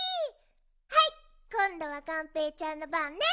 はいこんどはがんぺーちゃんのばんね！